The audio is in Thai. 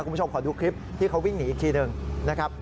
คุณผู้ชมขอดูคลิปที่เขาวิ่งหนีอีกทีหนึ่งนะครับ